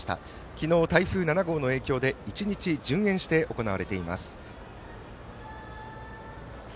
昨日、台風７号の影響で１日順延して行われています。